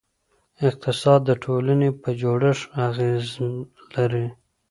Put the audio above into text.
اقتصاد د ټولنې په جوړښت اغېزه لري.